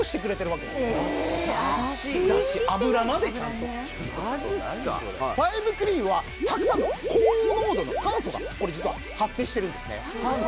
マジっすかファイブクリーンはたくさんの高濃度の酸素が実は発生してるんですね